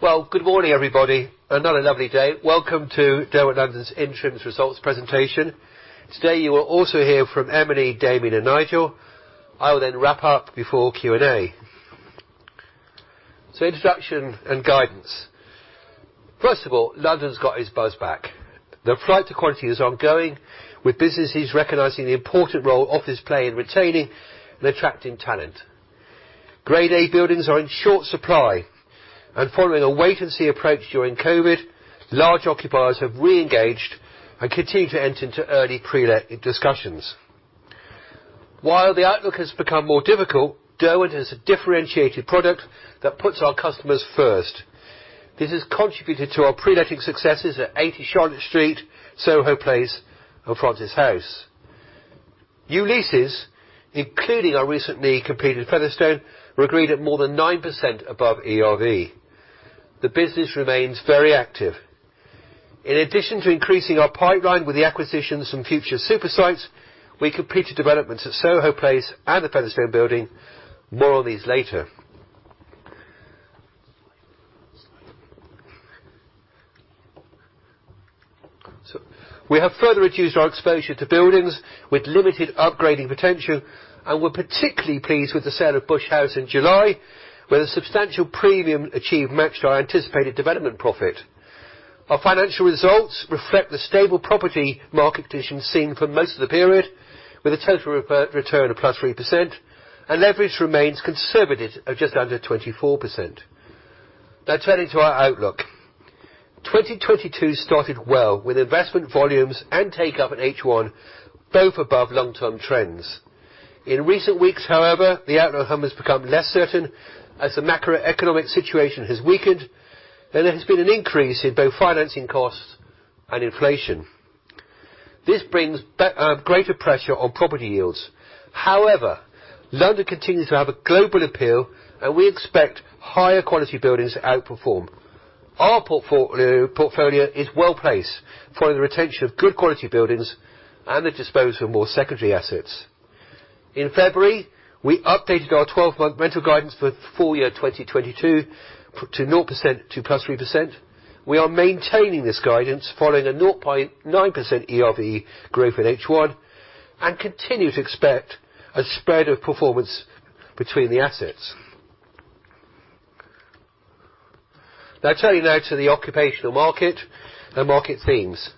Well, good morning, everybody, another lovely day. Welcome to Derwent London's Interim Results Presentation. Today, you will also hear from Emily, Damian, and Nigel. I will then wrap up before Q&A. Introduction and guidance. First of all, London's got its buzz back. The flight to quality is ongoing, with businesses recognizing the important role offices play in retaining and attracting talent. Grade A buildings are in short supply, and following a wait and see approach during COVID, large occupiers have re-engaged and continue to enter into early pre-let discussions. While the outlook has become more difficult, Derwent has a differentiated product that puts our customers first. This has contributed to our pre-letting successes at 80 Charlotte Street, Soho Place, and Francis House. New leases, including our recently completed Featherstone, were agreed at more than 9% above ERV. The business remains very active. In addition to increasing our pipeline with the acquisitions from future super sites, we completed developments at Soho Place and the Featherstone Building. More on these later. We have further reduced our exposure to buildings with limited upgrading potential, and we're particularly pleased with the sale of Bush House in July, where the substantial premium achieved matched our anticipated development profit. Our financial results reflect the stable property market conditions seen for most of the period, with a total return of +3%, and leverage remains conservative at just under 24%. Now turning to our outlook. 2022 started well, with investment volumes and take up in H1 both above long-term trends. In recent weeks, however, the outlook has become less certain as the macroeconomic situation has weakened, and there has been an increase in both financing costs and inflation. This brings back greater pressure on property yields. However, London continues to have a global appeal, and we expect higher quality buildings to outperform. Our portfolio is well-placed, following the retention of good quality buildings and the disposal of more secondary assets. In February, we updated our 12-month rental guidance for full year 2022 to 0% to +3%. We are maintaining this guidance following a 0.9% ERV growth in H1, and continue to expect a spread of performance between the assets. Now turning to the occupational market and market themes.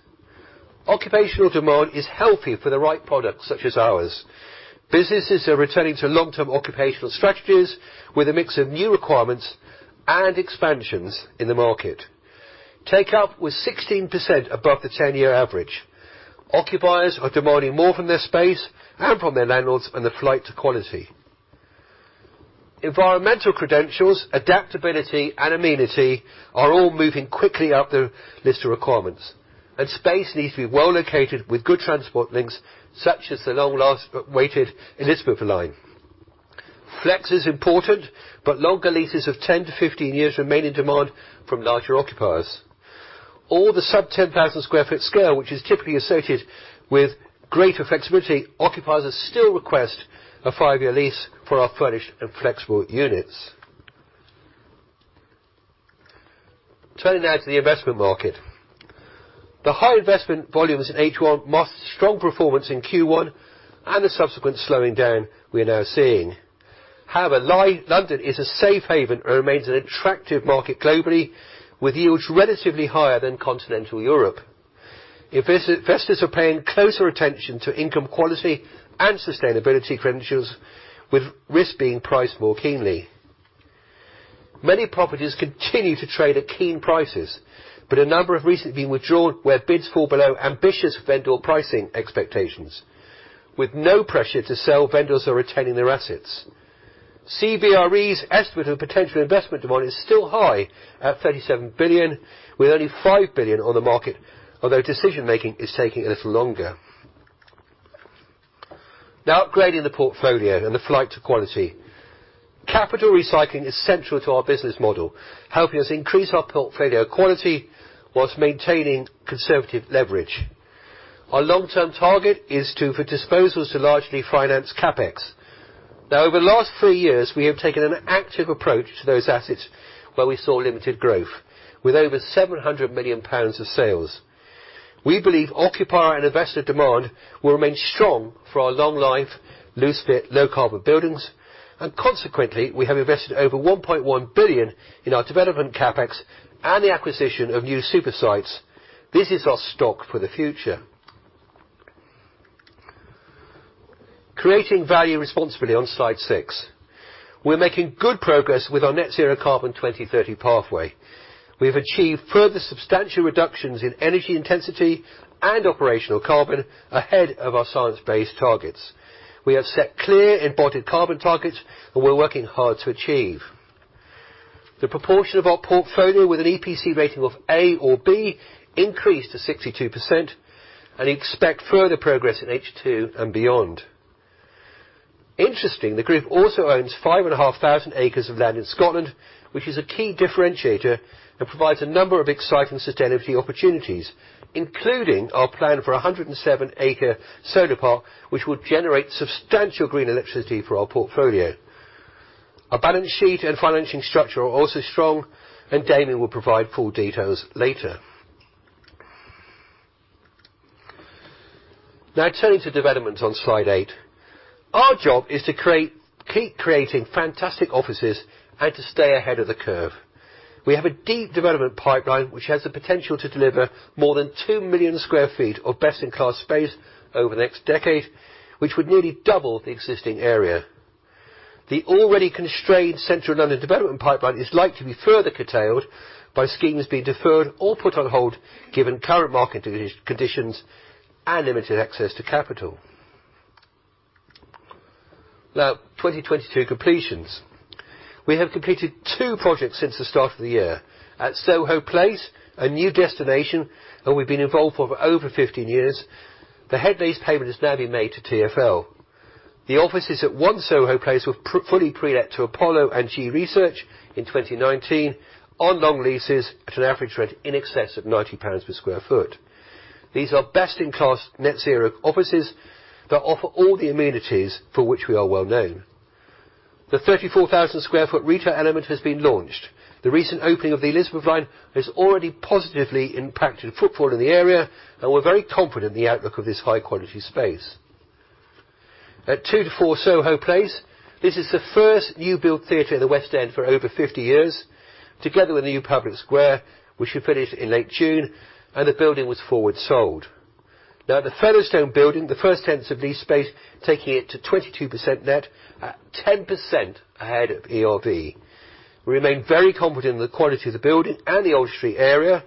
Occupational demand is healthy for the right products such as ours. Businesses are returning to long-term occupational strategies with a mix of new requirements and expansions in the market. Take up was 16% above the 10-year average. Occupiers are demanding more from their space and from their landlords and the flight to quality. Environmental credentials, adaptability, and amenity are all moving quickly up their list of requirements, and space needs to be well-located with good transport links, such as the long-awaited Elizabeth line. Flex is important, but longer leases of 10-15 years remain in demand from larger occupiers. All the sub-10,000-sq-ft scale, which is typically associated with greater flexibility, occupiers still request a five-year lease for our furnished and flexible units. Turning now to the investment market. The high investment volumes in H1 masked strong performance in Q1 and the subsequent slowing down we're now seeing. However, London is a safe haven and remains an attractive market globally, with yields relatively higher than continental Europe. Investors are paying closer attention to income quality and sustainability credentials, with risk being priced more keenly. Many properties continue to trade at keen prices, but a number have recently been withdrawn where bids fall below ambitious vendor pricing expectations. With no pressure to sell, vendors are retaining their assets. CBRE's estimate of potential investment demand is still high at 37 billion, with only 5 billion on the market, although decision-making is taking a little longer. Now, upgrading the portfolio and the flight to quality. Capital recycling is central to our business model, helping us increase our portfolio quality while maintaining conservative leverage. Our long-term target is to, for disposals to largely finance CapEx. Now, over the last three years, we have taken an active approach to those assets where we saw limited growth, with over 700 million pounds of sales. We believe occupier and investor demand will remain strong for our long-life, loose-fit, low-carbon buildings, and consequently, we have invested over 1.1 billion in our development CapEx and the acquisition of new super sites. This is our stock for the future. Creating value responsibly on slide six. We're making good progress with our net zero carbon 2030 pathway. We have achieved further substantial reductions in energy intensity and operational carbon ahead of our science-based targets. We have set clear embedded carbon targets that we're working hard to achieve. The proportion of our portfolio with an EPC rating of A or B increased to 62%, and we expect further progress in H2 and beyond. Interesting, the group also owns 5,500 acres of land in Scotland, which is a key differentiator and provides a number of exciting sustainability opportunities, including our plan for a 107-acre solar park, which would generate substantial green electricity for our portfolio. Our balance sheet and financing structure are also strong, and Damian will provide full details later. Now turning to developments on slide eight. Our job is to keep creating fantastic offices and to stay ahead of the curve. We have a deep development pipeline which has the potential to deliver more than 2 million sq ft of best-in-class space over the next decade, which would nearly double the existing area. The already constrained Central London development pipeline is likely to be further curtailed by schemes being deferred or put on hold, given current market conditions and limited access to capital. Now, 2022 completions. We have completed two projects since the start of the year. At Soho Place, a new destination where we've been involved for over 15 years, the head lease payment has now been made to TfL. The offices at 1 Soho Place were fully pre-let to Apollo and G-Research in 2019 on long leases at an average rent in excess of 90 pounds per sq ft. These are best-in-class net zero offices that offer all the amenities for which we are well known. The 34,000 sq ft retail element has been launched. The recent opening of the Elizabeth line has already positively impacted footfall in the area, and we're very confident in the outlook of this high-quality space. At 2 to 4 Soho Place, this is the first new build theater in the West End for over 50 years, together with a new public square, which should finish in late June, and the building was forward sold. Now, the Featherstone building, the first tenants have leased space, taking it to 22% net at 10% ahead of ERV. We remain very confident in the quality of the building and the Old Street area.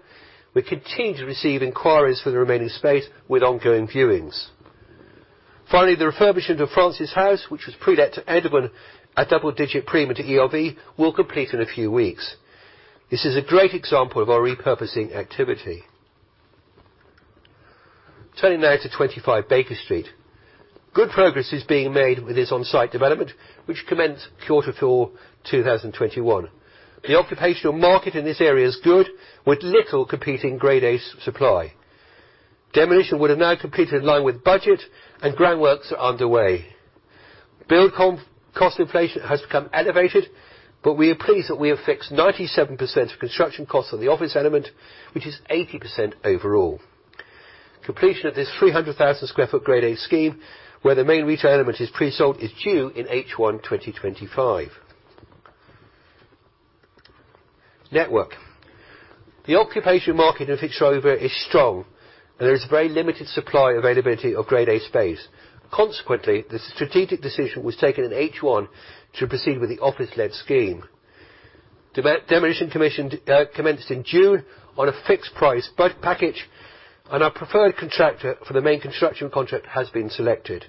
We continue to receive inquiries for the remaining space with ongoing viewings. Finally, the refurbishment of Francis House, which was pre-let to Edelman at double-digit premium to ERV, will complete in a few weeks. This is a great example of our repurposing activity. Turning now to 25 Baker Street. Good progress is being made with this on-site development, which commenced quarter four 2021. The occupational market in this area is good, with little competing Grade A supply. Demolition would have now completed in line with budget and ground works are underway. Build cost inflation has become elevated, but we are pleased that we have fixed 97% of construction costs on the office element, which is 80% overall. Completion of this 300,000 sq ft Grade A scheme, where the main retail element is pre-sold, is due in H1 2025. The occupation market in Fitzrovia is strong, and there is very limited supply availability of Grade A space. Consequently, the strategic decision was taken in H1 to proceed with the office-led scheme. Demolition commenced in June on a fixed price build package, and our preferred contractor for the main construction contract has been selected.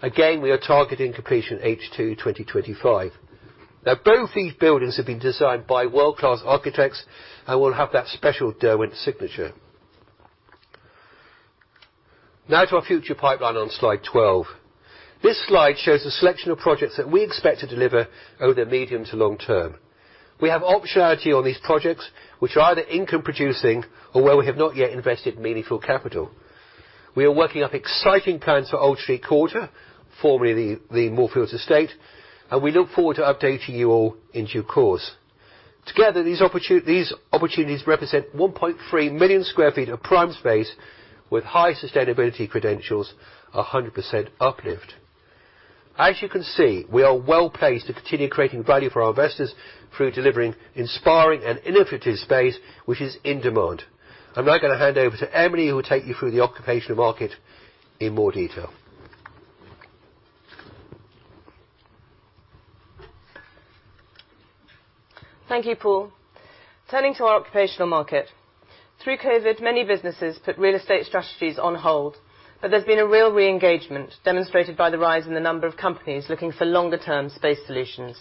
Again, we are targeting completion H2 2025. Now, both these buildings have been designed by world-class architects and will have that special Derwent signature. Now to our future pipeline on Slide 12. This slide shows a selection of projects that we expect to deliver over the medium to long term. We have optionality on these projects which are either income producing or where we have not yet invested meaningful capital. We are working up exciting plans for Old Street Quarter, formerly the Moorfields estate, and we look forward to updating you all in due course. Together, these opportunities represent 1.3 million sq ft of prime space with high sustainability credentials, 100% uplift. As you can see, we are well placed to continue creating value for our investors through delivering inspiring and innovative space, which is in demand. I'm now gonna hand over to Emily, who will take you through the occupational market in more detail. Thank you, Paul. Turning to our occupational market. Through COVID, many businesses put real estate strategies on hold, but there's been a real re-engagement demonstrated by the rise in the number of companies looking for longer term space solutions.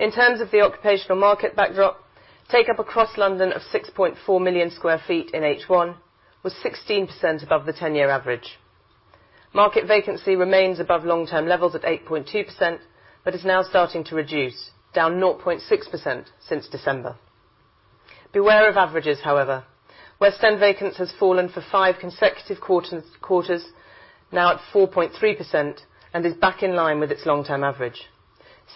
In terms of the occupational market backdrop, take-up across London of 6.4 million sq ft in H1 was 16% above the 10-year average. Market vacancy remains above long-term levels at 8.2%, but is now starting to reduce, down 0.6% since December. Beware of averages, however. West End vacancy has fallen for five consecutive quarters, now at 4.3%, and is back in line with its long-term average.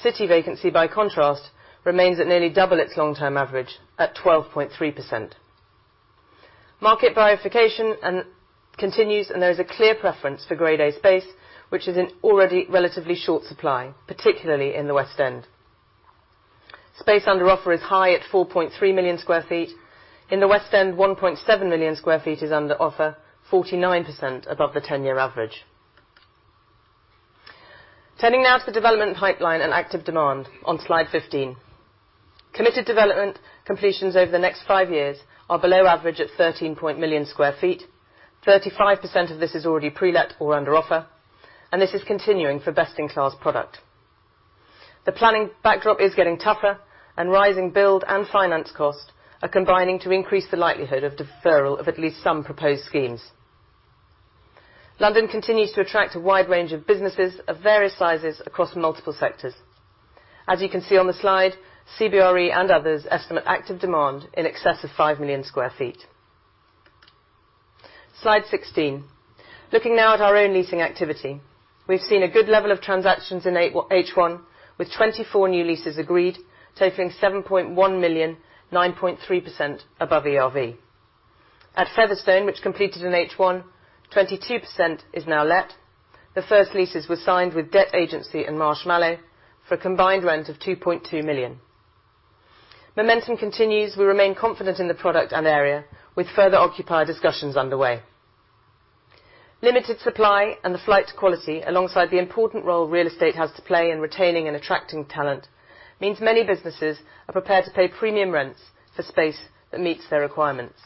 City vacancy, by contrast, remains at nearly double its long-term average at 12.3%. Market bifurcation continues, and there is a clear preference for Grade A space, which is already in relatively short supply, particularly in the West End. Space under offer is high at 4.3 million sq ft. In the West End, 1.7 million sq ft is under offer, 49% above the ten-year average. Turning now to the development pipeline and active demand on slide 15. Committed development completions over the next five years are below average at 13 million sq ft. 35% of this is already pre-let or under offer, and this is continuing for best-in-class product. The planning backdrop is getting tougher, and rising build and finance costs are combining to increase the likelihood of deferral of at least some proposed schemes. London continues to attract a wide range of businesses of various sizes across multiple sectors. As you can see on the slide, CBRE and others estimate active demand in excess of 5 million sq ft. Slide 16. Looking now at our own leasing activity. We've seen a good level of transactions in H1, with 24 new leases agreed, totaling 7.1 million, 9.3% above ERV. At Featherstone, which completed in H1, 22% is now let. The first leases were signed with Debt Agency and Marshmallow for a combined rent of 2.2 million. Momentum continues. We remain confident in the product and area, with further occupier discussions underway. Limited supply and the flight to quality, alongside the important role real estate has to play in retaining and attracting talent, means many businesses are prepared to pay premium rents for space that meets their requirements.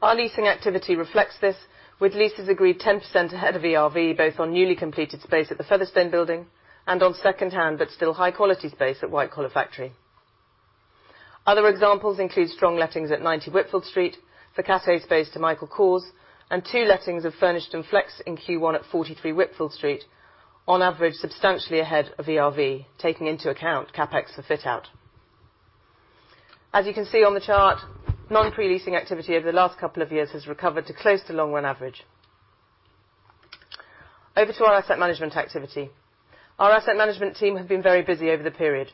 Our leasing activity reflects this, with leases agreed 10% ahead of ERV, both on newly completed space at the Featherstone Building and on secondhand but still high-quality space at White Collar Factory. Other examples include strong lettings at 90 Whitfield Street, the café space to Michael Coren, and two lettings of Furnished + Flexible in Q1 at 43 Whitfield Street, on average, substantially ahead of ERV, taking into account CapEx for fit-out. As you can see on the chart, non-pre-leasing activity over the last couple of years has recovered to close to long-run average. Over to our asset management activity. Our asset management team have been very busy over the period.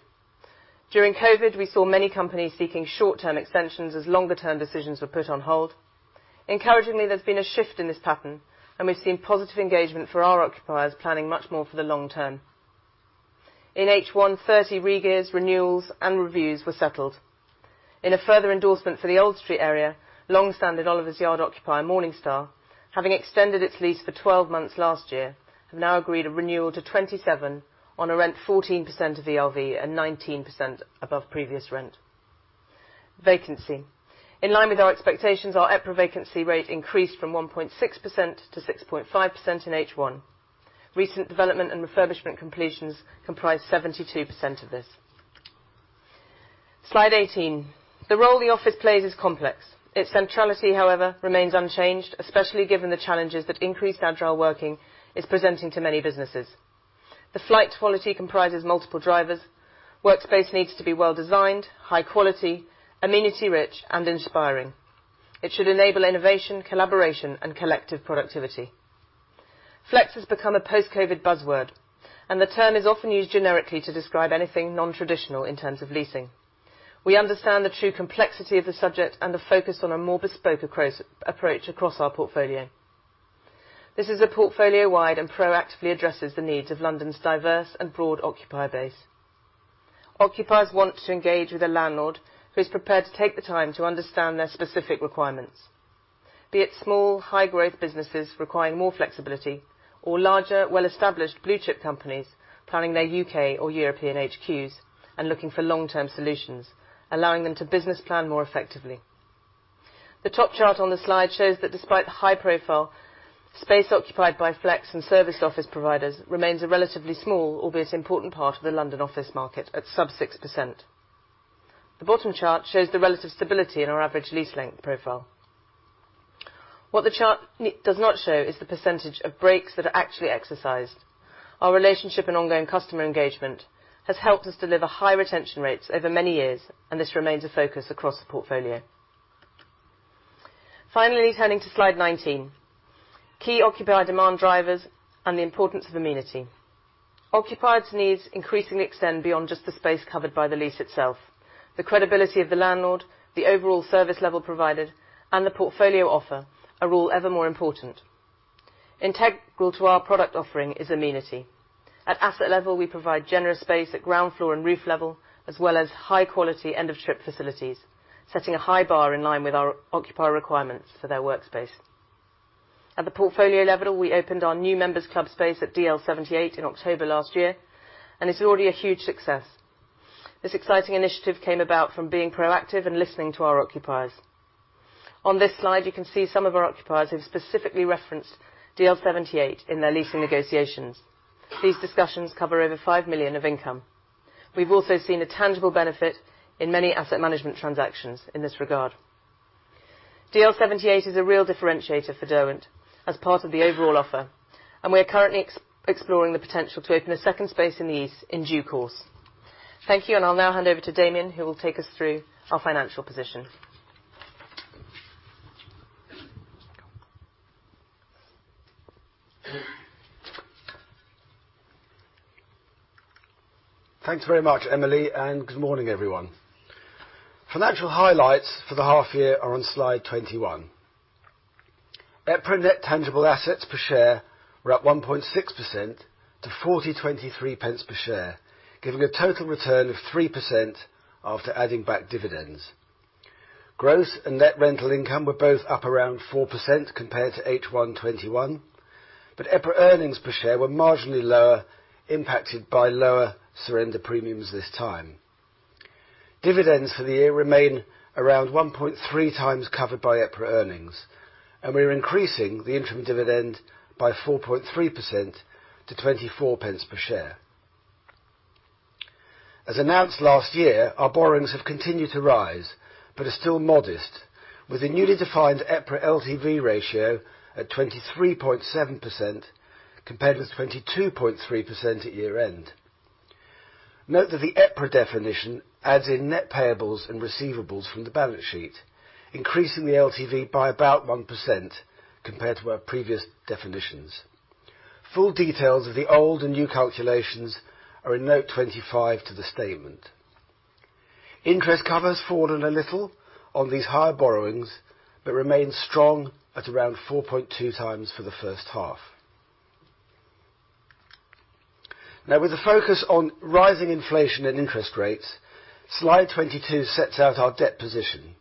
During COVID, we saw many companies seeking short-term extensions as longer-term decisions were put on hold. Encouragingly, there's been a shift in this pattern, and we've seen positive engagement for our occupiers planning much more for the long term. In H1, 30 re-gears, renewals, and reviews were settled. In a further endorsement for the Old Street area, long-standing Oliver's Yard occupier, Morningstar, having extended its lease for 12 months last year, have now agreed a renewal to 2027 on a rent 14% of ERV and 19% above previous rent. Vacancy. In line with our expectations, our EPRA vacancy rate increased from 1.6% to 6.5% in H1. Recent development and refurbishment completions comprise 72% of this. Slide 18. The role the office plays is complex. Its centrality, however, remains unchanged, especially given the challenges that increased agile working is presenting to many businesses. The flight to quality comprises multiple drivers. Workspace needs to be well-designed, high quality, amenity-rich, and inspiring. It should enable innovation, collaboration, and collective productivity. Flex has become a post-COVID buzzword, and the term is often used generically to describe anything non-traditional in terms of leasing. We understand the true complexity of the subject and the focus on a more bespoke approach across our portfolio. This is a portfolio-wide and proactively addresses the needs of London's diverse and broad occupier base. Occupiers want to engage with a landlord who's prepared to take the time to understand their specific requirements. Be it small, high-growth businesses requiring more flexibility or larger, well-established blue-chip companies planning their U.K. or European H.Q.s and looking for long-term solutions, allowing them to business plan more effectively. The top chart on the slide shows that despite the high profile, space occupied by flex and service office providers remains a relatively small, albeit important part of the London office market at sub 6%. The bottom chart shows the relative stability in our average lease length profile. What the chart does not show is the percentage of breaks that are actually exercised. Our relationship and ongoing customer engagement has helped us deliver high retention rates over many years, and this remains a focus across the portfolio. Finally, turning to slide 19. Key occupier demand drivers and the importance of amenity. Occupiers' needs increasingly extend beyond just the space covered by the lease itself. The credibility of the landlord, the overall service level provided, and the portfolio offer are all ever more important. Integral to our product offering is amenity. At asset level, we provide generous space at ground floor and roof level, as well as high-quality end of trip facilities, setting a high bar in line with our occupier requirements for their workspace. At the portfolio level, we opened our new members club space at DL/78 in October last year, and it's already a huge success. This exciting initiative came about from being proactive and listening to our occupiers. On this slide, you can see some of our occupiers have specifically referenced DL/78 in their leasing negotiations. These discussions cover over 5 million of income. We've also seen a tangible benefit in many asset management transactions in this regard. DL/78 is a real differentiator for Derwent as part of the overall offer, and we are currently exploring the potential to open a second space in the east in due course. Thank you, and I'll now hand over to Damian, who will take us through our financial position. Thanks very much, Emily, and good morning, everyone. Financial highlights for the half year are on slide 21. EPRA net tangible assets per share were up 1.6% to 423 pence per share, giving a total return of 3% after adding back dividends. Gross and net rental income were both up around 4% compared to H1 2021, but EPRA earnings per share were marginally lower, impacted by lower surrender premiums this time. Dividends for the year remain around 1.3 times covered by EPRA earnings, and we're increasing the interim dividend by 4.3% to 24 pence per share. As announced last year, our borrowings have continued to rise, but are still modest, with a newly defined EPRA LTV ratio at 23.7%, compared with 22.3% at year-end. Note that the EPRA definition adds in net payables and receivables from the balance sheet, increasing the LTV by about 1% compared to our previous definitions. Full details of the old and new calculations are in note 25 to the statement. Interest cover has fallen a little on these higher borrowings, but remains strong at around 4.2 times for the first half. Now, with the focus on rising inflation and interest rates, slide 22 sets out our debt position.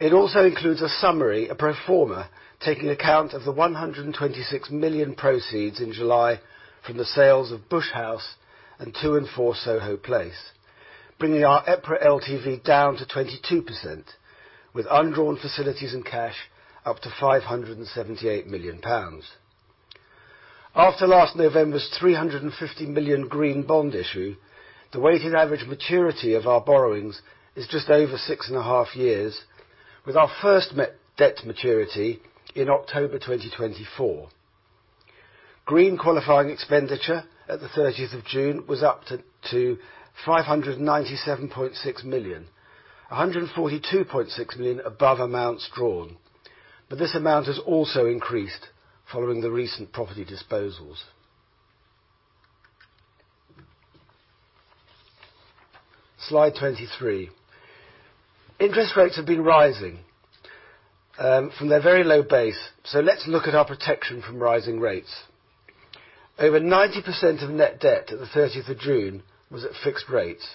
It also includes a summary, a pro forma, taking account of the 126 million proceeds in July from the sales of Bush House and 2 and 4 Soho Place, bringing our EPRA LTV down to 22%, with undrawn facilities and cash up to 578 million pounds. After last November's 350 million green bond issue, the weighted average maturity of our borrowings is just over six and a half years, with our first major debt maturity in October 2024. Green qualifying expenditure at the 30th of June was up to 597.6 million. 142.6 million above amounts drawn. This amount has also increased following the recent property disposals. Slide 23. Interest rates have been rising from their very low base, so let's look at our protection from rising rates. Over 90% of net debt at the 30th of June was at fixed rates,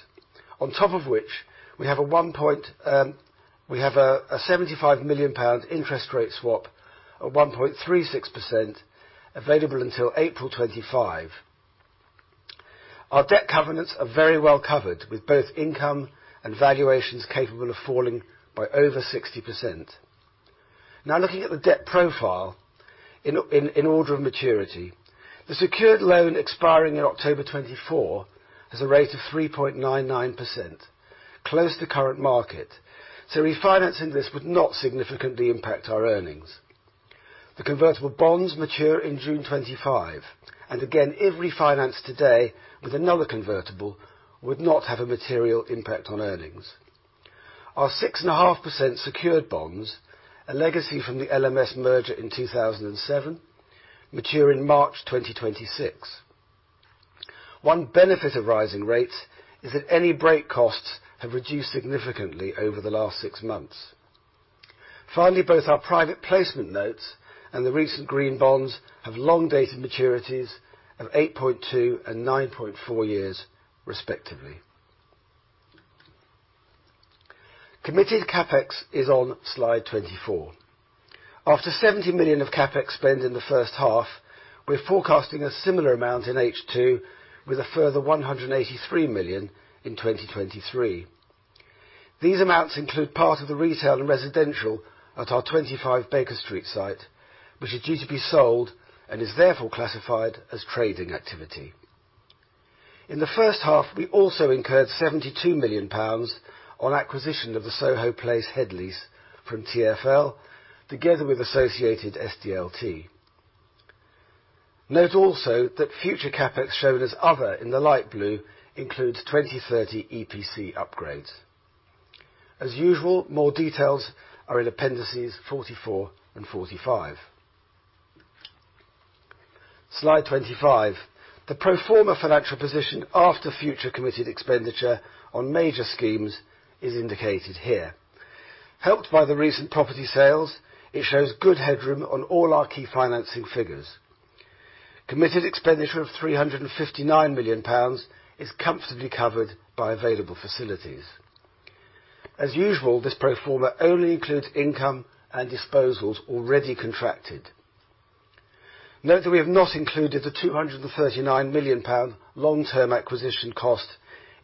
on top of which we have a 75 million pound interest rate swap at 1.36% available until April 2025. Our debt covenants are very well covered, with both income and valuations capable of falling by over 60%. Now looking at the debt profile in order of maturity. The secured loan expiring in October 2024 has a rate of 3.99%, close to current market. Refinancing this would not significantly impact our earnings. The convertible bonds mature in June 2025, and again, if refinanced today with another convertible, would not have a material impact on earnings. Our 6.5% secured bonds, a legacy from the LMS merger in 2007, mature in March 2026. One benefit of rising rates is that any break costs have reduced significantly over the last six months. Finally, both our private placement notes and the recent green bonds have long dated maturities of 8.2 and 9.4 years, respectively. Committed CapEx is on slide 24. After 70 million of CapEx spend in the first half, we're forecasting a similar amount in H2 with a further 183 million in 2023. These amounts include part of the retail and residential at our 25 Baker Street site, which is due to be sold and is therefore classified as trading activity. In the first half, we also incurred 72 million pounds on acquisition of the Soho Place head lease from TfL together with associated SDLT. Note also that future CapEx shown as other in the light blue includes 2030 EPC upgrades. As usual, more details are in appendices 44 and 45. Slide 25, the pro forma financial position after future committed expenditure on major schemes is indicated here. Helped by the recent property sales, it shows good headroom on all our key financing figures. Committed expenditure of 359 million pounds is comfortably covered by available facilities. As usual, this pro forma only includes income and disposals already contracted. Note that we have not included the 239 million pound long-term acquisition cost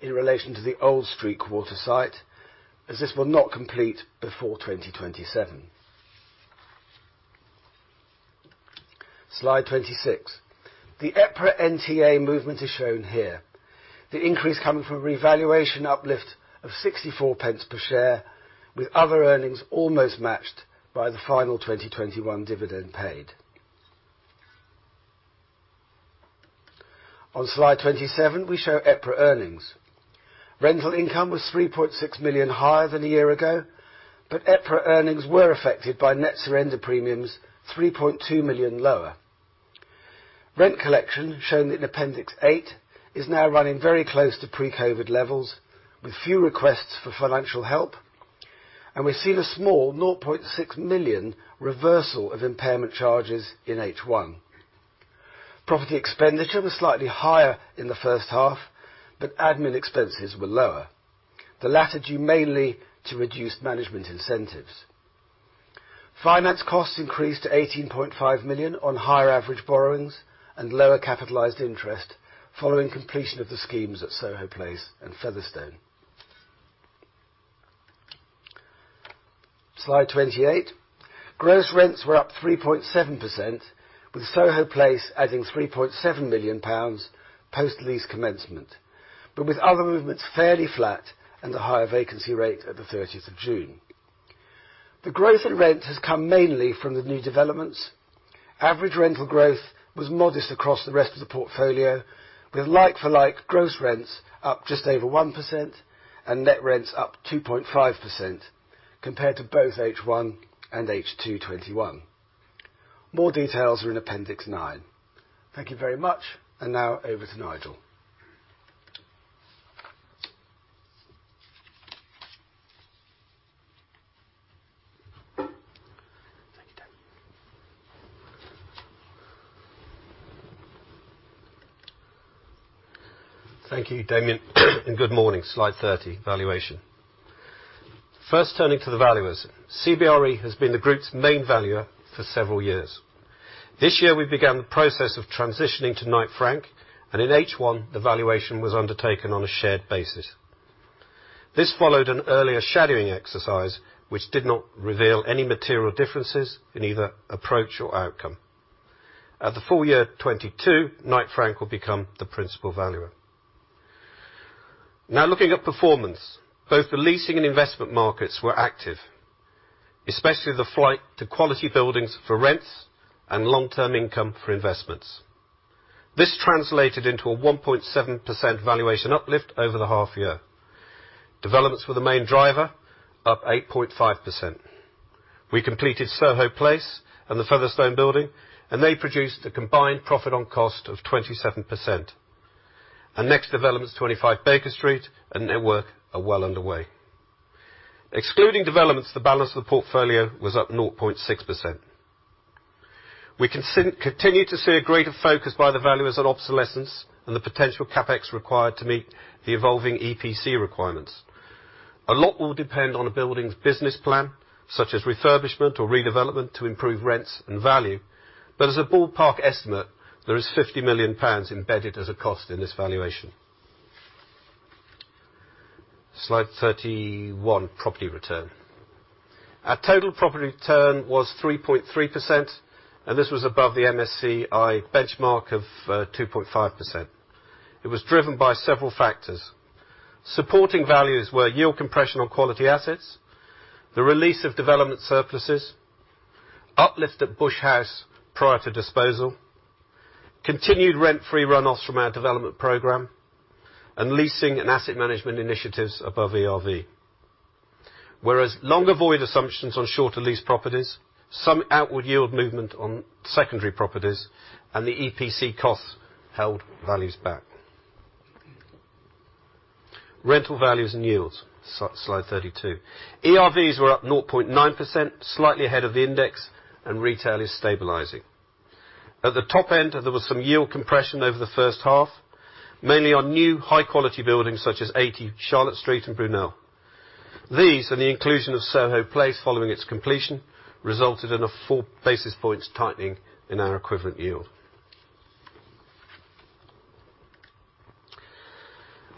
in relation to the Old Street Quarter site, as this will not complete before 2027. Slide 26. The EPRA NTA movement is shown here. The increase coming from a revaluation uplift of 64 pence per share, with other earnings almost matched by the final 2021 dividend paid. On slide 27, we show EPRA earnings. Rental income was 3.6 million higher than a year ago, but EPRA earnings were affected by net surrender premiums, 3.2 million lower. Rent collection, shown in Appendix 8, is now running very close to pre-COVID levels, with few requests for financial help, and we've seen a small 0.6 million reversal of impairment charges in H1. Property expenditure was slightly higher in the first half, but admin expenses were lower, the latter due mainly to reduced management incentives. Finance costs increased to 18.5 million on higher average borrowings and lower capitalized interest following completion of the schemes at Soho Place and Featherstone. Slide 28. Gross rents were up 3.7%, with Soho Place adding 3.7 million pounds post-lease commencement, but with other movements fairly flat and a higher vacancy rate at the 30th of June. The growth in rent has come mainly from the new developments. Average rental growth was modest across the rest of the portfolio, with like-for-like gross rents up just over 1% and net rents up 2.5% compared to both H1 and H2 2021. More details are in Appendix 9. Thank you very much, and now over to Nigel. Thank you, Damian, and good morning. Slide 30, valuation. First turning to the valuers. CBRE has been the group's main valuer for several years. This year, we began the process of transitioning to Knight Frank, and in H1, the valuation was undertaken on a shared basis. This followed an earlier shadowing exercise, which did not reveal any material differences in either approach or outcome. At the full year 2022, Knight Frank will become the principal valuer. Now looking at performance. Both the leasing and investment markets were active, especially the flight to quality buildings for rents and long-term income for investments. This translated into a 1.7% valuation uplift over the half year. Developments were the main driver, up 8.5%. We completed Soho Place and the Featherstone building, and they produced a combined profit on cost of 27%. Our next developments, 25 Baker Street and Network, are well underway. Excluding developments, the balance of the portfolio was up 0.6%. We continue to see a greater focus by the valuers on obsolescence and the potential CapEx required to meet the evolving EPC requirements. A lot will depend on a building's business plan, such as refurbishment or redevelopment to improve rents and value. As a ballpark estimate, there is 50 million pounds embedded as a cost in this valuation. Slide 31, property return. Our total property return was 3.3%, and this was above the MSCI benchmark of 2.5%. It was driven by several factors. Supporting values were yield compression on quality assets, the release of development surpluses, uplift at Bush House prior to disposal, continued rent-free runoffs from our development program, and leasing and asset management initiatives above ERV. Whereas longer void assumptions on shorter lease properties, some outward yield movement on secondary properties and the EPC costs held values back. Rental values and yields. Slide 32. ERVs were up 0.9%, slightly ahead of the index, and retail is stabilizing. At the top end, there was some yield compression over the first half, mainly on new high-quality buildings such as 80 Charlotte Street and Brunel. These and the inclusion of Soho Place following its completion resulted in a 4 basis points tightening in our equivalent yield.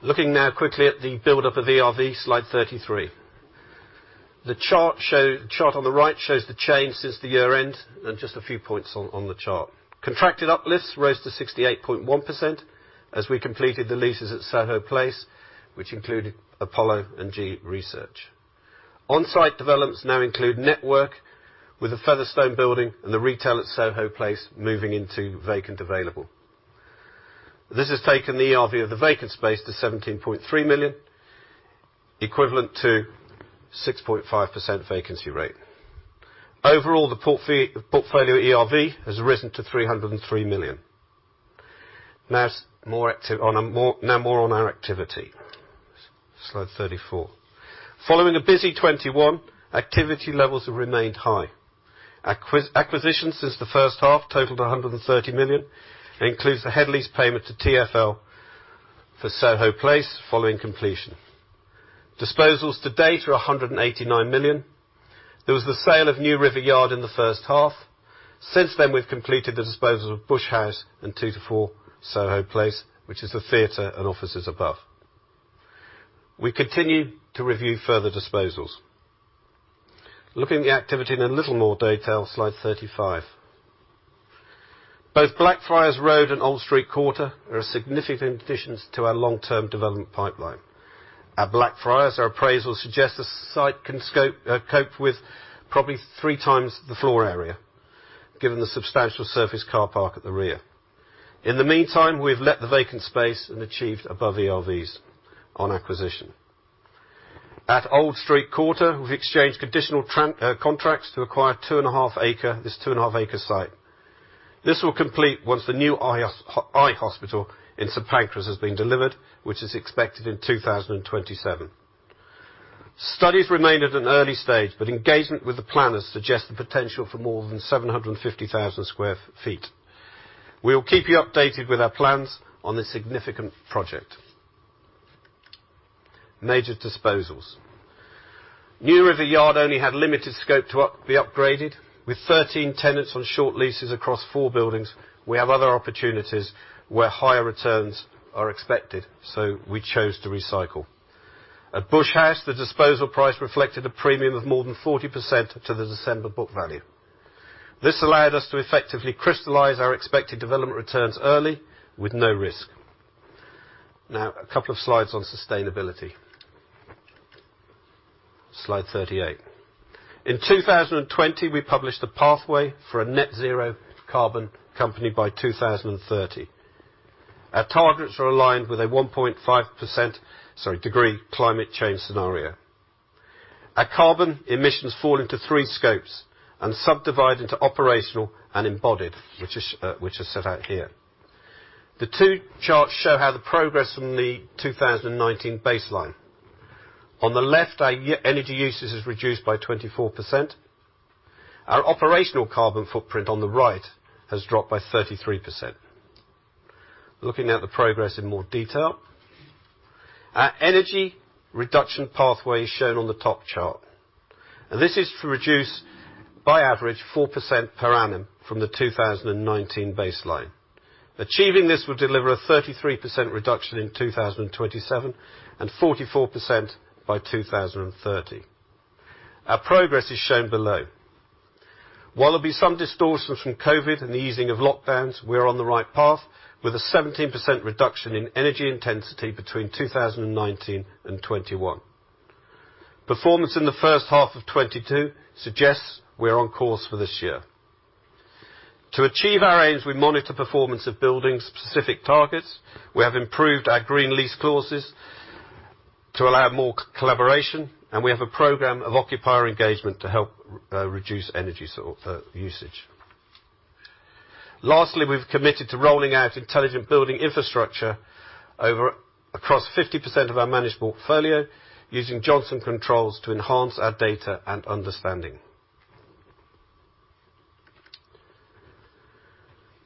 Looking now quickly at the build-up of ERV, slide 33. The chart on the right shows the change since the year-end, and just a few points on the chart. Contracted uplifts rose to 68.1% as we completed the leases at Soho Place, which included Apollo and G-Research. On-site developments now include Network with the Featherstone building and the retail at Soho Place moving into vacant available. This has taken the ERV of the vacant space to 17.3 million, equivalent to 6.5% vacancy rate. Overall, the portfolio ERV has risen to 303 million. Now more on our activity. Slide 34. Following a busy 2021, activity levels have remained high. Acquisitions since the first half totaled 130 million and includes the head lease payment to TfL for Soho Place following completion. Disposals to date are 189 million. There was the sale of New River Yard in the first half. Since then, we've completed the disposal of Bush House and 2-4 Soho Place, which is the theater and offices above. We continue to review further disposals. Looking at the activity in a little more detail, slide 35. Both Blackfriars Road and Old Street Quarter are significant additions to our long-term development pipeline. At Blackfriars, our appraisals suggest the site can cope with probably three times the floor area, given the substantial surface car park at the rear. In the meantime, we've let the vacant space and achieved above ERVs on acquisition. At Old Street Quarter, we've exchanged conditional contracts to acquire 2.5 acre, this 2.5-acre site. This will complete once the new eye hospital in St. Pancras has been delivered, which is expected in 2027. Studies remain at an early stage, but engagement with the planners suggest the potential for more than 750,000 sq ft. We will keep you updated with our plans on this significant project. Major disposals. New River Yard only had limited scope to be upgraded. With 13 tenants on short leases across four buildings, we have other opportunities where higher returns are expected, so we chose to recycle. At Bush House, the disposal price reflected a premium of more than 40% to the December book value. This allowed us to effectively crystallize our expected development returns early with no risk. Now a couple of slides on sustainability. Slide 38. In 2020, we published a pathway for a net zero carbon company by 2030. Our targets are aligned with a 1.5 degree climate change scenario. Our carbon emissions fall into three scopes and subdivide into operational and embodied, which is set out here. The two charts show how the progress from the 2019 baseline. On the left, our energy usage is reduced by 24%. Our operational carbon footprint on the right has dropped by 33%. Looking at the progress in more detail. Our energy reduction pathway is shown on the top chart. This is to reduce by average 4% per annum from the 2019 baseline. Achieving this will deliver a 33% reduction in 2027 and 44% by 2030. Our progress is shown below. While there'll be some distortions from COVID and the easing of lockdowns, we're on the right path with a 17% reduction in energy intensity between 2019 and 2021. Performance in the first half of 2022 suggests we're on course for this year. To achieve our aims, we monitor performance of building specific targets. We have improved our green lease clauses to allow more collaboration, and we have a program of occupier engagement to help reduce energy usage. Lastly, we've committed to rolling out intelligent building infrastructure across 50% of our managed portfolio using Johnson Controls to enhance our data and understanding.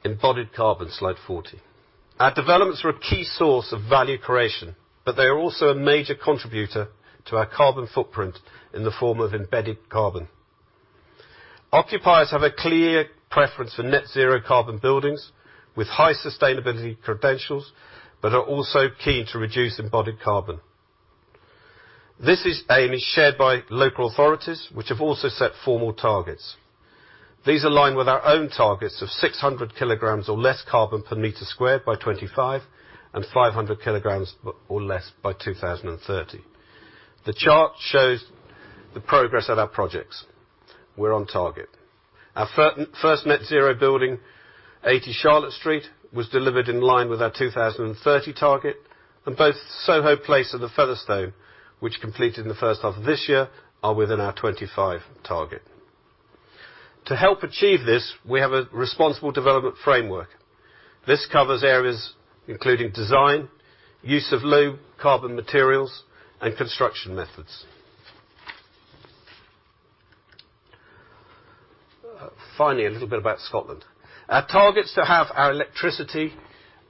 Embodied carbon, slide 40. Our developments are a key source of value creation, but they are also a major contributor to our carbon footprint in the form of embodied carbon. Occupiers have a clear preference for net zero carbon buildings with high sustainability credentials, but are also keen to reduce embodied carbon. This aim is shared by local authorities, which have also set formal targets. These align with our own targets of 600 kilograms or less carbon per sq m by 2025 and 500 kilograms or less by 2030. The chart shows the progress at our projects. We're on target. Our first net zero building, 80 Charlotte Street, was delivered in line with our 2030 target, and both Soho Place and The Featherstone, which completed in the first half of this year, are within our 25 target. To help achieve this, we have a responsible development framework. This covers areas including design, use of low carbon materials, and construction methods. Finally, a little bit about Scotland. Our target's to have our electricity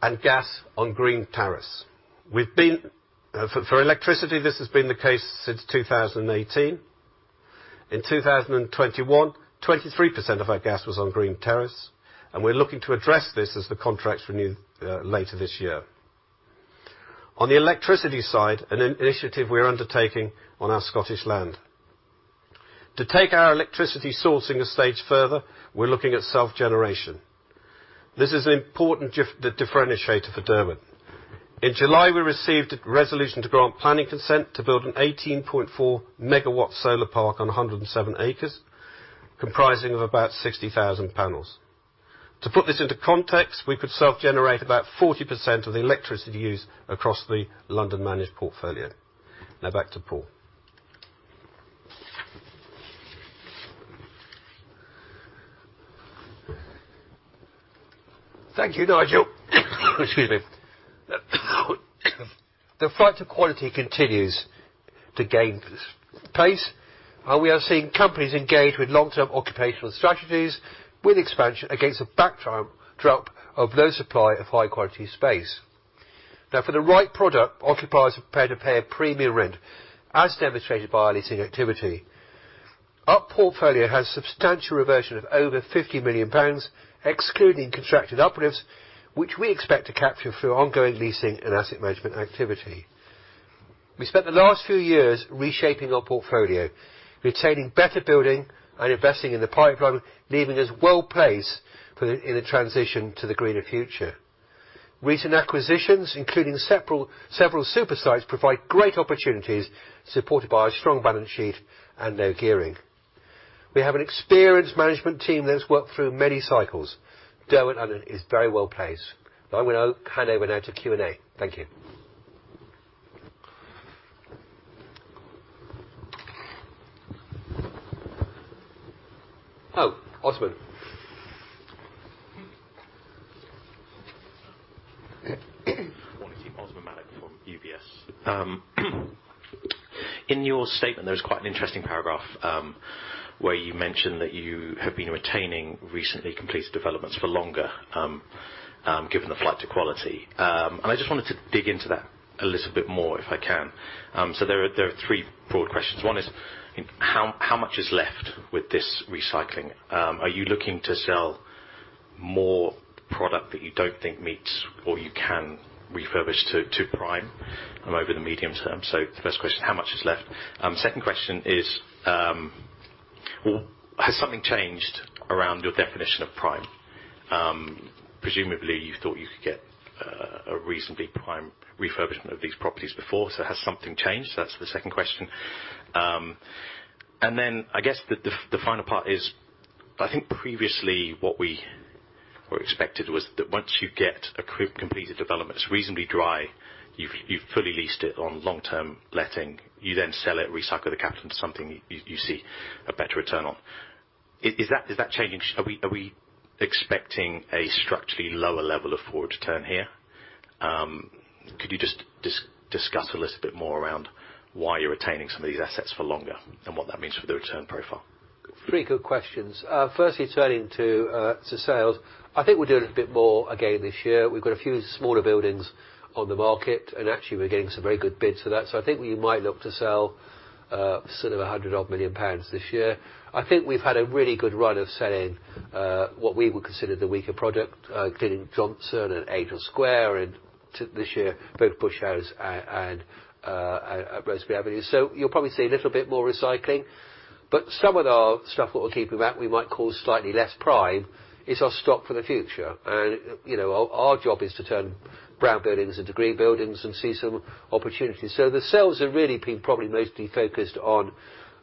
and gas on green tariffs. For electricity, this has been the case since 2018. In 2021, 23% of our gas was on green tariffs, and we're looking to address this as the contracts renew later this year. On the electricity side, an initiative we are undertaking on our Scottish land. To take our electricity sourcing a stage further, we're looking at self-generation. This is an important differentiator for Derwent. In July, we received resolution to grant planning consent to build an 18.4 megawatt solar park on 107 acres, comprising of about 60,000 panels. To put this into context, we could self-generate about 40% of the electricity used across the London managed portfolio. Now back to Paul. Thank you, Nigel. Excuse me. The flight to quality continues to gain pace. We are seeing companies engage with long-term occupational strategies with expansion against a backdrop of low supply of high-quality space. Now, for the right product, occupiers are prepared to pay a premium rent, as demonstrated by our leasing activity. Our portfolio has substantial reversion of over 50 million pounds, excluding contracted developments, which we expect to capture through ongoing leasing and asset management activity. We spent the last few years reshaping our portfolio, retaining better buildings and investing in the pipeline, leaving us well-placed in the transition to the greener future. Recent acquisitions, including several super sites, provide great opportunities supported by our strong balance sheet and no gearing. We have an experienced management team that has worked through many cycles. Derwent is very well-placed. I will now hand over to Q&A. Thank you. Osmaan. Morning team, Osmaan Malik from UBS. In your statement, there's quite an interesting paragraph, where you mentioned that you have been retaining recently completed developments for longer, given the flight to quality. I just wanted to dig into that a little bit more if I can. There are three broad questions. One is how much is left with this recycling? Are you looking to sell more product that you don't think meets or you can refurbish to prime, over the medium term? The first question, how much is left? Second question is, well, has something changed around your definition of prime? Presumably you thought you could get a reasonably prime refurbishment of these properties before, so has something changed? That's the second question. I guess the final part is, I think previously what we were expected was that once you get a completed development that's reasonably dry, you've fully leased it on long-term letting, you then sell it, recycle the capital into something you see a better return on. Is that changing? Are we expecting a structurally lower level of forward return here? Could you just discuss a little bit more around why you're retaining some of these assets for longer and what that means for the return profile? Three good questions. Firstly, turning to sales. I think we're doing a bit more again this year. We've got a few smaller buildings on the market, and actually we're getting some very good bids for that. I think we might look to sell sort of 100 million pounds this year. I think we've had a really good run of selling what we would consider the weaker product, including Johnson and Angel Square, and this year, both Bush House and Rosebery Avenue. You'll probably see a little bit more recycling. Some of our stuff that we're keeping back we might call slightly less prime is our stock for the future. You know, our job is to turn brown buildings into green buildings and see some opportunities. The sales have really been probably mostly focused on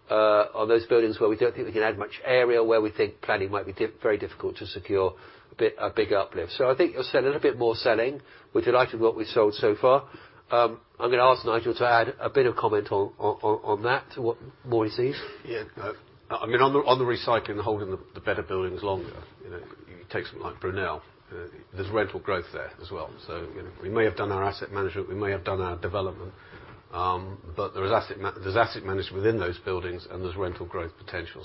those buildings where we don't think we can add much area, where we think planning might be very difficult to secure a bit, a big uplift. I think you'll sell a little bit more selling. We're delighted with what we've sold so far. I'm gonna ask Nigel to add a bit of comment on that, to what more we see. Yeah. I mean, on the recycling, holding the better buildings longer, you know, you take something like Brunel, there's rental growth there as well. You know, we may have done our asset management, we may have done our development, but there is asset management within those buildings, and there's rental growth potential.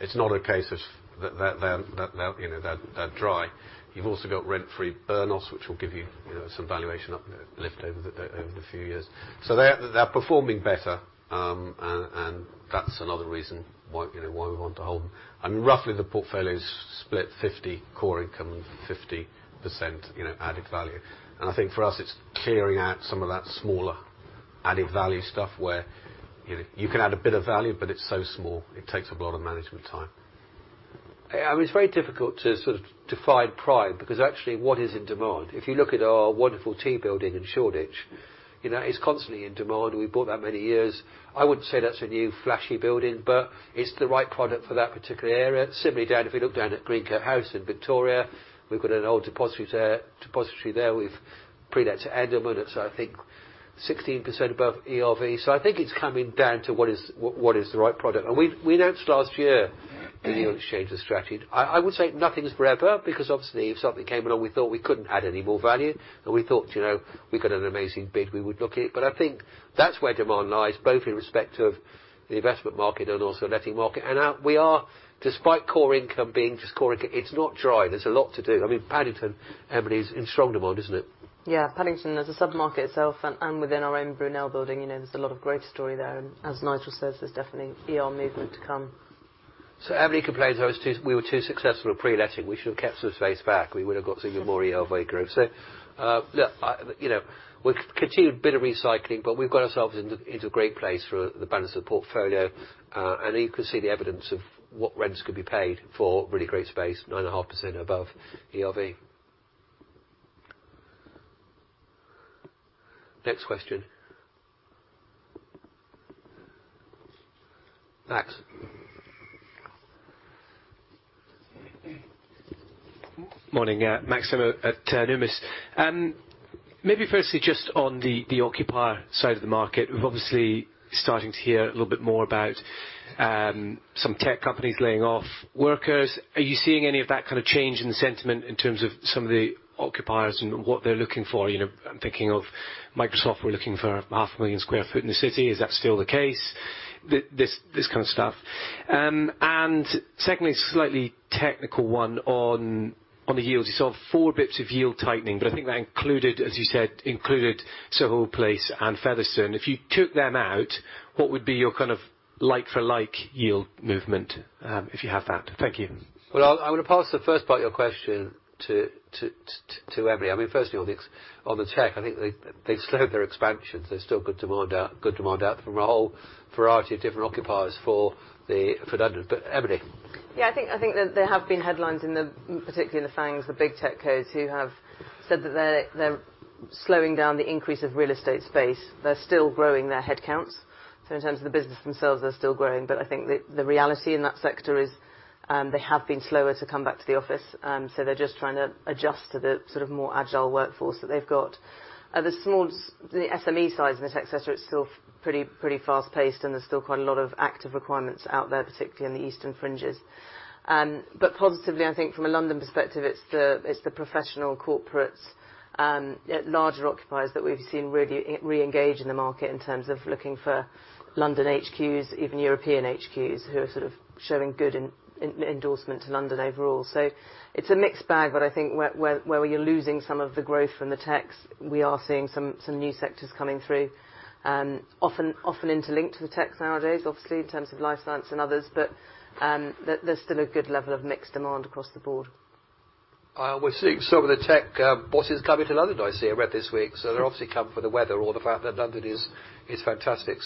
It's not a case of that, you know, they're dry. You've also got rent-free burn-offs, which will give you know, some valuation uplift over the few years. They are performing better, and that's another reason why, you know, why we want to hold them. Roughly the portfolio's split 50 core income, 50%, you know, added value. I think for us it's clearing out some of that smaller added value stuff where, you know, you can add a bit of value, but it's so small it takes up a lot of management time. I mean, it's very difficult to sort of define prime because actually what is in demand? If you look at our wonderful Tea Building in Shoreditch, you know, it's constantly in demand. We bought that many years. I wouldn't say that's a new flashy building, but it's the right product for that particular area. Similarly down, if we look down at Greencoat House in Victoria, we've got an old depository there. We've pre-let to Endemol Shine, I think 16% above ERV. So I think it's coming down to what is the right product. We announced last year a change of strategy. I would say nothing's forever because obviously if something came along, we thought we couldn't add any more value and we thought, you know, we got an amazing bid, we would look at it. I think that's where demand lies, both in respect of the investment market and also letting market. We are, despite core income being just core income, it's not dry. There's a lot to do. I mean, Paddington, Emily, is in strong demand, isn't it? Yeah, Paddington as a sub-market itself and within our own Brunel Building, you know, there's a lot of great story there. As Nigel says, there's definitely ERV movement to come. Emily complains we were too successful at pre-letting. We should have kept some space back. We would've got some more ERV growth. You know, we've continued a bit of recycling, but we've got ourselves into a great place for the balance of the portfolio. You can see the evidence of what rents could be paid for really great space, 9.5% above ERV. Next question. Max. Morning. Max Sherwood at Numis. Maybe firstly just on the occupier side of the market. We're obviously starting to hear a little bit more about some tech companies laying off workers. Are you seeing any of that kind of change in the sentiment in terms of some of the occupiers and what they're looking for? You know, I'm thinking of Microsoft were looking for 500,000 sq ft in the city. Is that still the case? This kind of stuff. And secondly, a slightly technical one on the yields. You saw four basis points of yield tightening, but I think that included, as you said, Soho Place and Featherstone. If you took them out, what would be your kind of like for like yield movement, if you have that? Thank you. Well, I'm gonna pass the first part of your question to Emily. I mean, firstly on the tech, I think they've slowed their expansions. There's still good demand out from a whole variety of different occupiers for London. Emily. Yeah, I think that there have been headlines, particularly in the FAANG, the big tech cos who have said that they're slowing down the increase of real estate space. They're still growing their headcounts. In terms of the business themselves, they're still growing. I think the reality in that sector is they have been slower to come back to the office. They're just trying to adjust to the sort of more agile workforce that they've got. The small, the SME size and the tech sector, it's still pretty fast-paced, and there's still quite a lot of active requirements out there, particularly in the eastern fringes. Positively, I think from a London perspective, it's the professional corporates and larger occupiers that we've seen really re-engage in the market in terms of looking for London HQs, even European HQs, who are sort of showing good endorsement to London overall. It's a mixed bag, but I think where you're losing some of the growth from the techs, we are seeing some new sectors coming through, often interlinked to the techs nowadays, obviously in terms of life science and others. There's still a good level of mixed demand across the board. We're seeing some of the tech bosses coming to London, I see, I read this week. They obviously come for the weather or the fact that London is fantastic.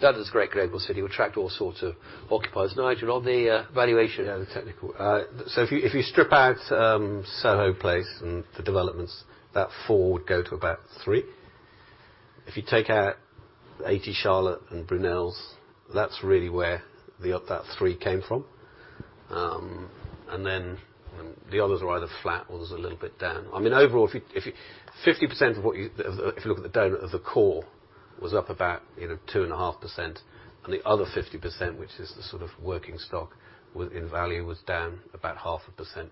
London's a great global city. We attract all sorts of occupiers. Nigel, on the valuation and the technical. If you strip out Soho Place and the developments, that four would go to about three. If you take out 80 Charlotte and Brunel's, that's really where that three came from. The others are either flat or is a little bit down. I mean, overall, if 50% if you look at the donut of the core was up about, you know, 2.5%, and the other 50%, which is the sort of working stock within value, was down about 0.5%,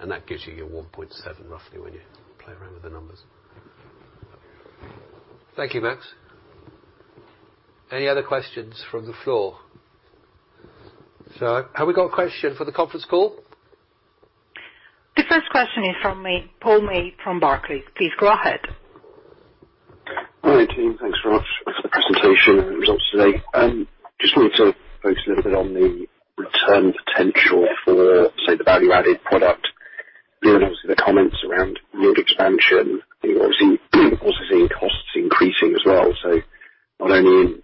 and that gives you your 1.7, roughly, when you play around with the numbers. Thank you, Max. Any other questions from the floor? Have we got a question for the conference call? The first question is from Paul May from Barclays. Please go ahead. Hi, team. Thanks very much for the presentation and the results today. Just wanted to focus a little bit on the return potential for, say, the value-added product, you know, and obviously the comments around route expansion. You're obviously also seeing costs increasing as well, so not only in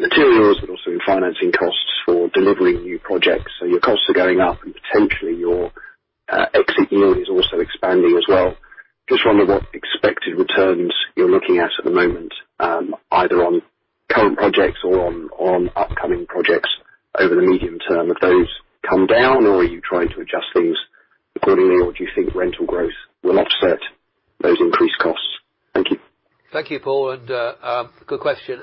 materials, but also in financing costs for delivering new projects. Your costs are going up and potentially your exit yield is also expanding as well. Just wondering what expected returns you're looking at the moment, either on current projects or on upcoming projects over the medium term. Have those come down or are you trying to adjust things accordingly or do you think rental growth will offset those increased costs? Thank you. Thank you, Paul, and good question.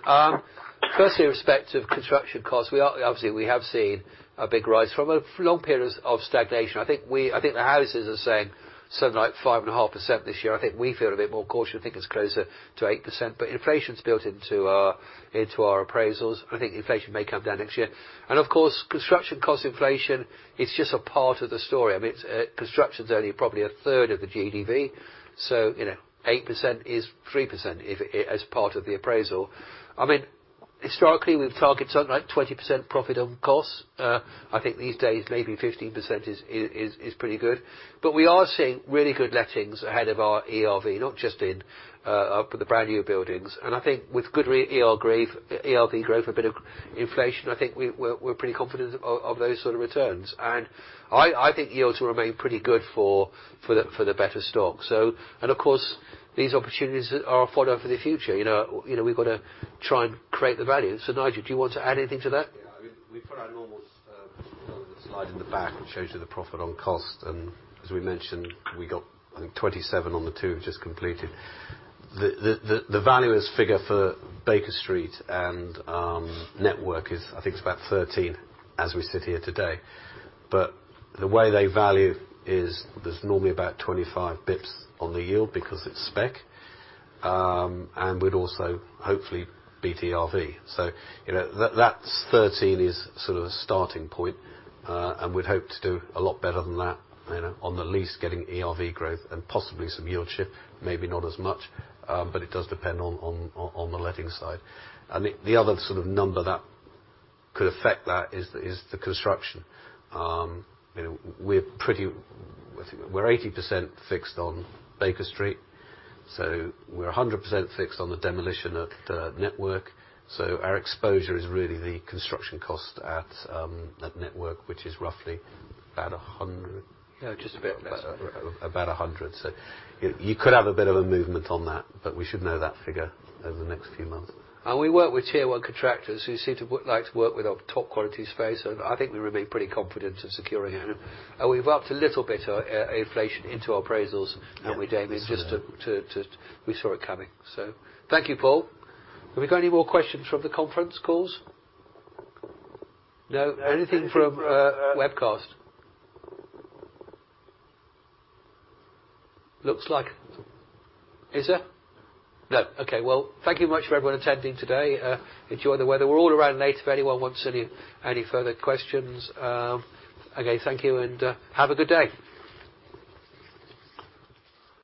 Firstly in respect of construction costs, we are obviously we have seen a big rise from a long period of stagnation. I think the houses are saying something like 5.5% this year. I think we feel a bit more cautious. I think it's closer to 8%, but inflation's built into our appraisals. I think inflation may come down next year. Of course, construction cost inflation is just a part of the story. I mean, it's construction's only probably a third of the GDV. So, you know, 8% is 3% as part of the appraisal. I mean, historically, we've targeted something like 20% profit on costs. I think these days, maybe 15% is pretty good. We are seeing really good lettings ahead of our ERV, not just in up in the brand-new buildings. I think with good ERV growth, a bit of inflation, I think we're pretty confident of those sort of returns. I think yields will remain pretty good for the better stock. Of course, these opportunities are for the future. You know, we've got to try and create the value. Nigel, do you want to add anything to that? Yeah. I mean, we've put our normal, you know, slide in the back, which shows you the profit on cost. As we mentioned, we got, I think, 27% on the two we've just completed. The value-add figure for Baker Street and Network is, I think it's about 13% as we sit here today. The way they value is there's normally about 25 basis points on the yield because it's spec, and we'd also hopefully beat ERV. You know, that 13% is sort of a starting point, and we'd hope to do a lot better than that, you know. On the lease, getting ERV growth and possibly some yield shift, maybe not as much, but it does depend on the letting side. The other sort of number that could affect that is the construction. You know, we're thinking we're 80% fixed on Baker Street, so we're 100% fixed on the demolition at Network. Our exposure is really the construction cost at Network, which is roughly about 100. No, just a bit less. About 100. You could have a bit of a movement on that, but we should know that figure over the next few months. We work with tier one contractors who seem to like to work with our top quality space, so I think we remain pretty confident in securing it. We've upped a little bit inflation into our appraisals, haven't we, Damian? We saw it coming. Thank you, Paul. Have we got any more questions from the conference calls? No? Anything from webcast? Looks like. Is there? No. Okay. Well, thank you very much for everyone attending today. Enjoy the weather. We're all around later if anyone wants any further questions. Again, thank you, and have a good day.